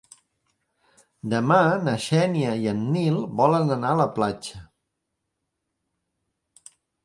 Demà na Xènia i en Nil volen anar a la platja.